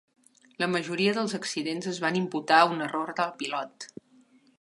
La majoria dels accidents es van imputar a un error del pilot.